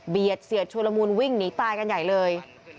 เบียดเสียชุลมูลวิ่งนิกตายกันใหญ่เลย